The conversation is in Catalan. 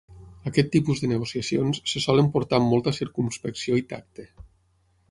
Aquest tipus de negociacions se solen portar amb molta circumspecció i tacte.